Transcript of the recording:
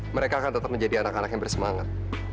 mereka akan tetap menjadi anak anak yang bersemangat